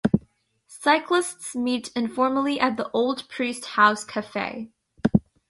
Cyclists meet informally at the Old Priest-House Cafe.